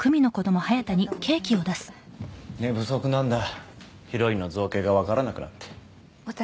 寝不足なんだヒロインの造形がわからなくなって私？